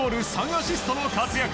３アシストの活躍。